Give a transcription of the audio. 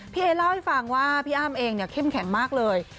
เอ๊เล่าให้ฟังว่าพี่อ้ำเองเนี่ยเข้มแข็งมากเลย